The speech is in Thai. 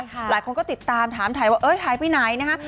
หลายคนก็ติดตามถามถ่ายว่าหายไปไหนนะคะ